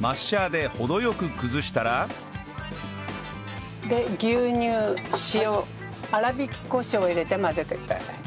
マッシャーで程良く崩したらで牛乳塩粗びきコショウを入れて混ぜてください。